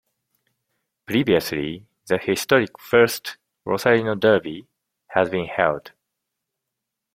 Previously, the historic first Rosarino derby had been held.